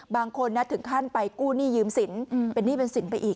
บางคนนัดถึงท่านไปกู้หนี้ยืมศีลเป็นหนี้เป็นศีลไปอีก